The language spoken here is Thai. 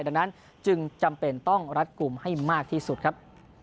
ดังนั้นจึงจำเป็นต้องรัดกลุ่มให้มากที่สุดครับ